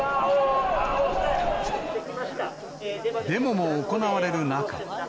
デモも行われる中。